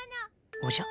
おじゃ？